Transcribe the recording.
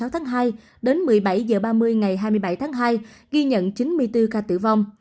một mươi tháng hai đến một mươi bảy h ba mươi ngày hai mươi bảy tháng hai ghi nhận chín mươi bốn ca tử vong